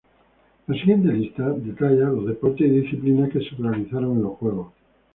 La siguiente lista detalla los deportes y disciplinas que se realizaron en los juegos.